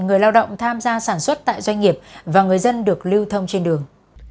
người lao động tham gia sản xuất tại doanh nghiệp và người dân được lưu thông trên đường